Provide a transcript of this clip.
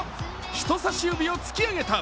人さし指を突き上げた。